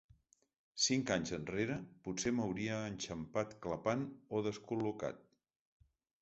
Cinc anys enrere potser m'hauria enxampat clapant o descol·locat.